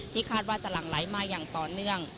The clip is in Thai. คาดว่าจะหลั่งไหลมาอย่างต่อเนื่อง